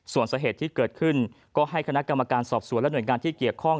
ส่วนสาเหตุที่เกิดขึ้นก็ให้คณะกรรมการสอบสวนและหน่วยงานที่เกี่ยวข้อง